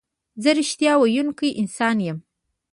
زه رښتیا ویونکی انسان یم.